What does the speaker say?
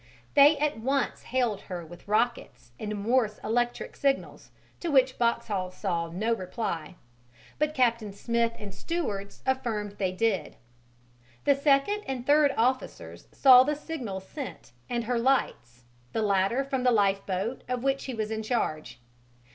They at once hailed her with rockets and Morse electric signals, to which Boxhall saw no reply, but Captain Smith and stewards affirmed they did. The second and third officers saw the signals sent and her lights, the latter from the lifeboat of which he was in charge.